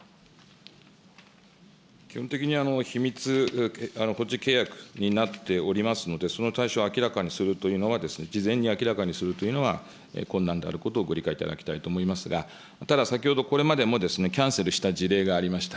基本的に秘密保持契約になっておりますので、その対象を明らかにするというのは、事前に明らかにするというのは、困難であることをご理解いただきたいと思いますが、ただ、先ほどこれまでもキャンセルした事例がありました。